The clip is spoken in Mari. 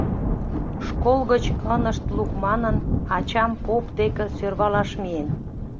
Школ гыч ынышт лук манын, ачам поп деке сӧрвалаш миен...